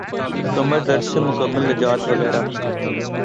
کمر درد سے مکمل نجات وغیرہ